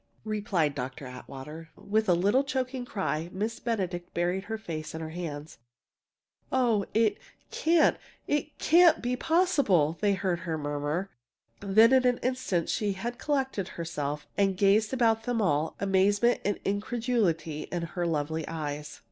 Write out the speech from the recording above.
'" replied Dr. Atwater. With a little choking cry, Miss Benedict buried her face in her hands. "Oh, it can't it can't be possible!" they heard her murmur. Then in an instant she had collected herself and gazed about at them all, amazement and incredulity in her lovely eyes.